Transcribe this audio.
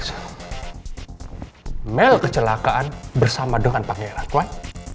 pak alex mel kecelakaan bersama dengan pangeran pak